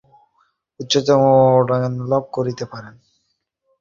যোগী যদি এগুলি পরিত্যাগ করেন, তবেই তিনি সেই উচ্চতম জ্ঞানলাভ করিতে পারেন।